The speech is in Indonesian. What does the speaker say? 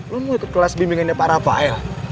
lo mau ke kelas bimbingan yang parah apa ya